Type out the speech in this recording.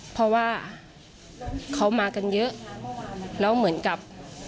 เพราะว่าเขามากันเยอะแล้วเหมือนกับ